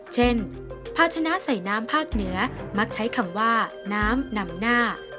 ภาชนะใส่น้ำภาคเหนือมักใช้คำว่าน้ำนำหน้า